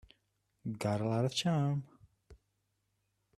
Got a lot of charm.